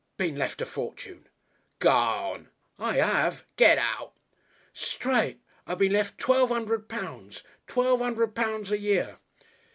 "Been left a fortune." "Garn!" "I 'ave." "Get out!" "Straight. I been lef' twelve 'undred pounds twelve 'undred pounds a year!"